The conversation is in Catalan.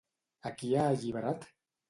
A qui ha alliberat?